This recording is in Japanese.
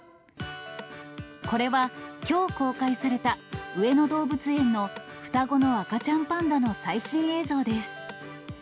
これはきょう公開された、上野動物園の双子の赤ちゃんパンダの最新映像です。